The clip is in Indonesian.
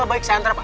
baik saya hantar